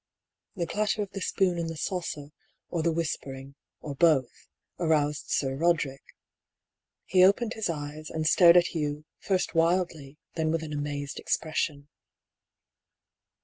The clatter of the spoon in the saucer,' or the whis pering, or both, aroused Sir Roderick. He opened his eyes, and stared at Hugh, first wildly, then with an amazed expression.